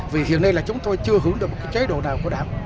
vì hiện nay là chúng tôi chưa hưởng được một cái chế độ nào của đảo